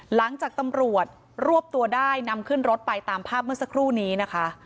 หลังจากตำรวจรวบตัวได้นำขึ้นรถไปตามภาพเมื่อสักครู่นี้นะคะ